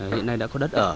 hiện nay đã có đất ở